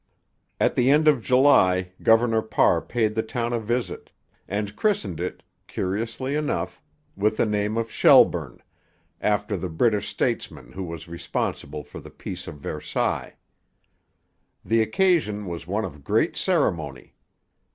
At the end of July Governor Parr paid the town a visit, and christened it, curiously enough, with the name of Shelburne, after the British statesman who was responsible for the Peace of Versailles. The occasion was one of great ceremony.